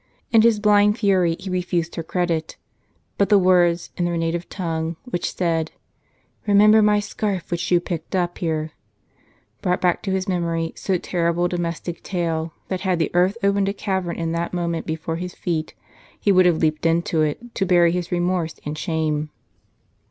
In his blind fury he refused her credit ; but the words, in their native tongue, which said, " Remember my scarf which you picked up here," brought back to his memory so terrible a domestic tale, that had the earth opened a cavern in that moment before his feet, he would have leaped into it, to bury his remorse and shame.